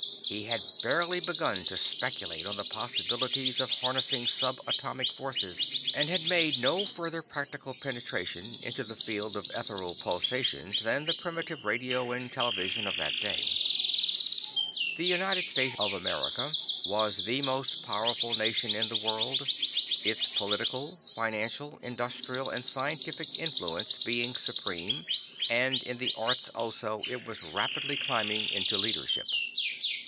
He had barely begun to speculate on the possibilities of harnessing sub atomic forces, and had made no further practical penetration into the field of ethereal pulsations than the primitive radio and television of that day. The United States of America was the most powerful nation in the world, its political, financial, industrial and scientific influence being supreme; and in the arts also it was rapidly climbing into leadership.